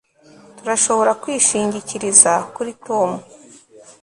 turashobora kwishingikiriza kuri tom